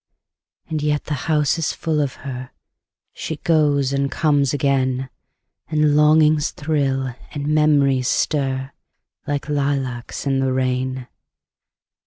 And yet the house is full of her; She goes and comes again; And longings thrill, and memories stir, Like lilacs in the rain.